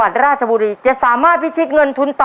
หัวหนึ่งหัวหนึ่ง